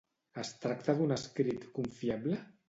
Es tracta d'un escrit confiable?